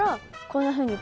こんなふうに。